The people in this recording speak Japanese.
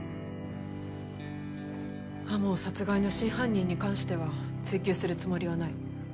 天羽殺害の真犯人に関しては追及するつもりはない。